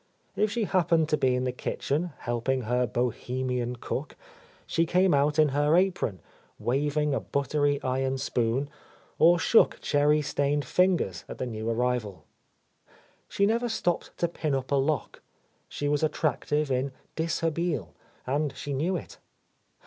If she happened to be in the kitchen, helping her Bohemian cook, she came out in her apron, waving a buttery iron spoon, or shook cherry stained fingers at the new arrival. She never stopped to pin up a lock; she was attractive in dishabille, and she knew it.